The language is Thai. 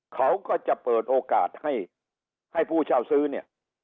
เขาก็จะเปิดโอกาสให้ผู้เช่าซื้อเนี่ย